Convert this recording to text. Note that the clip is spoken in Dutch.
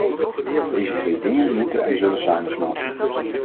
Deze twee dingen moeten en zullen samensmelten.